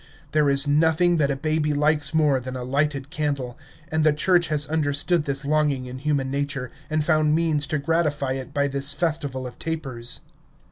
There is nothing that a baby likes more than a lighted candle, and the church has understood this longing in human nature, and found means to gratify it by this festival of tapers.